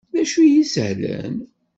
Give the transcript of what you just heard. D acu i isehlen?